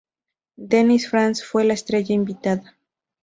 Dennis Franz fue la estrella invitada.